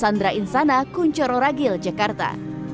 sandra insana kunchoro ragil jakarta